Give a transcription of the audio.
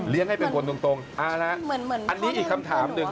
เลี้ยงให้เป็นคนตรงอันนี้อีกคำถามหนึ่ง